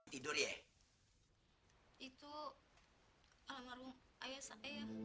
tidur ya itu alam arum ayah saya